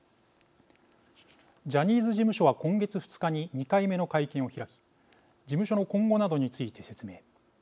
ジャニーズ事務所は今月２日に２回目の会見を開き事務所の今後などについて説明。